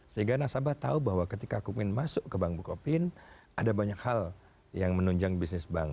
sehingga nasabah tahu bahwa ketika cookin masuk ke bank bukopin ada banyak hal yang menunjang bisnis bank